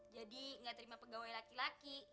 jadi gak terima pegawai laki laki